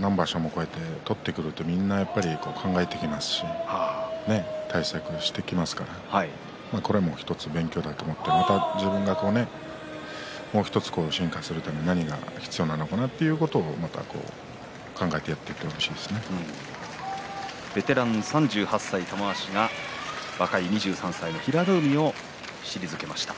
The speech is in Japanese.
何場所も取ってくるとみんな考えてきますし体勢を崩してきますからこれも１つ勉強だと思って自分がもう１つ進化するために何が必要なのかなということをベテラン３８歳の玉鷲が若い２３歳の平戸海を退けました。